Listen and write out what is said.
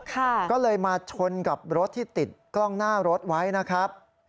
ก็เลยมาชนกับรถที่ติดกล้องหน้ารถไว้นะครับ